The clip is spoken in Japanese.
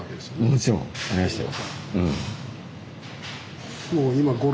もちろんありましたよ。